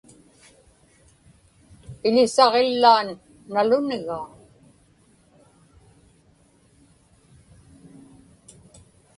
Ilisaġillaan nalunigaa.